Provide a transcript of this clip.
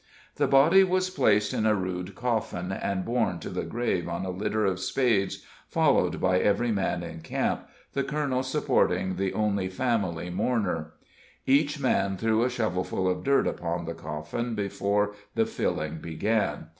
The body was placed in a rude coffin, and borne to the grave on a litter of spades, followed by every man in camp, the colonel supporting the only family mourner. Each man threw a shovelful of dirt upon the coffin before the filling began.